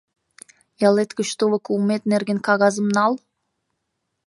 Ялет гыч тулык улмет нерген кагазым нал...